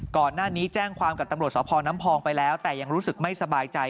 ก่อนหน้านี้แจ้งความกับตำรวจสพน้ำพองไปแล้วแต่ยังรู้สึกไม่สบายใจ